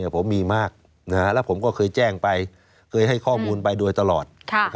ผมมีมากแล้วผมก็เคยแจ้งไปเคยให้ข้อมูลไปโดยตลอด